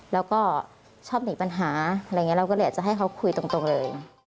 แล้วก็ชอบหนีปัญหาอะไรอย่างนี้เราก็เลยอยากจะให้เขาคุยตรงเลย